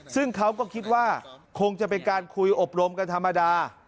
ซึ่งเขาก็คิดว่าคงจะเป็นการคุยอบรมกันธรรมดา